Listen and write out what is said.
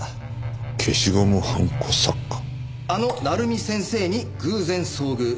「あのナルミ先生に偶然遭遇！」